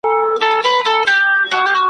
په ښکلا یې له هر چا وو میدان وړی `